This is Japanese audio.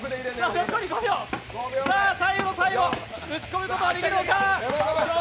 最後の最後、撃ち込むことができるのか。